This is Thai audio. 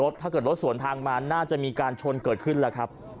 ถ้าเกิดรถสวนทางมาน่าจะมีการชนเกิดขึ้นแล้วครับ